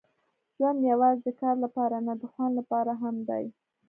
ژوند یوازې د کار لپاره نه، د خوند لپاره هم دی.